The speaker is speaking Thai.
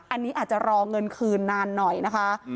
อันนี้อาจจะรอเงินคืนนานหน่อยนะคะ